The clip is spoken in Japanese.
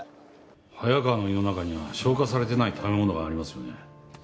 早川の胃の中には消化されてない食べ物がありますよね。